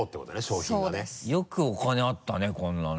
よくお金があったねこんなね。